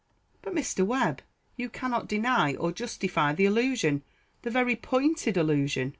"But, Mr. Webb, you cannot deny or justify the allusion the very pointed allusion?"